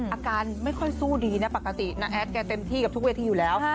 อาการไม่ค่อยสู้ดีนะปกติน้าแอดแกเต็มที่กับทุกเวทีอยู่แล้ว